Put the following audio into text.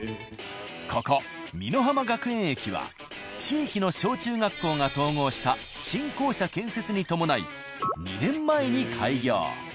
ここ美乃浜学園駅は地域の小中学校が統合した新校舎建設に伴い２年前に開業。